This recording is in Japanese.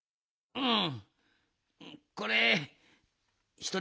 うん。